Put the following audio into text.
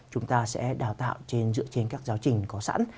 chúng ta sẽ đào tạo dựa trên các giáo trình có sẵn